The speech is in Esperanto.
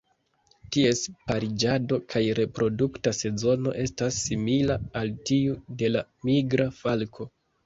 Ties pariĝado kaj reprodukta sezono estas simila al tiu de la Migra falko.